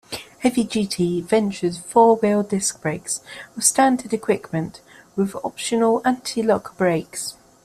Heavy-duty vented four wheel disc brakes were standard equipment, with optional anti-lock brakes.